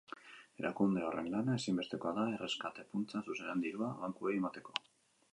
Erakunde horren lana ezinbestekoa da erreskate funtsak zuzenean dirua bankuei emateko.